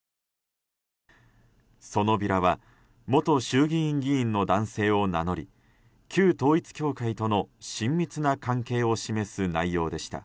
そのビラは元衆議院議員の男性を名乗り旧統一教会との親密な関係を示す内容でした。